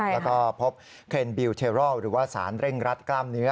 แล้วก็พบเคนบิลเทรอลหรือว่าสารเร่งรัดกล้ามเนื้อ